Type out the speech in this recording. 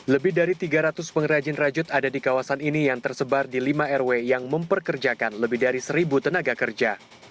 lebih dari tiga ratus pengrajin rajut ada di kawasan ini yang tersebar di lima rw yang memperkerjakan lebih dari seribu tenaga kerja